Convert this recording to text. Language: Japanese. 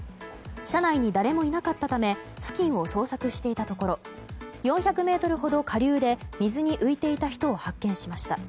車内に誰もいなかったため付近を捜索していたところ４００ｍほど下流で、水に浮いていた人を発見しました。